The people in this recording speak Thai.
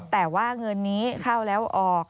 แต่ว่าเงินนี้เข้าแล้วออก